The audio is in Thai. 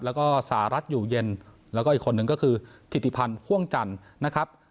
แล้วก็สหรัฐอยู่เย็นแล้วก็อีกคนนึงก็คือถิติพันธ์พ่วงจันทร์นะครับ